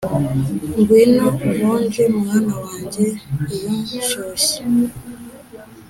ngwino unkonje, mwana wanjye, iyo nshyushye